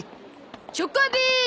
チョコビー！